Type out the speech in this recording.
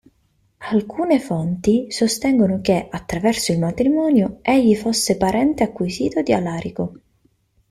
Alcune fonti sostengono che, attraverso il matrimonio, egli fosse parente acquisito di Alarico.